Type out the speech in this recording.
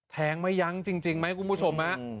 ไม่ยั้งจริงไหมคุณผู้ชม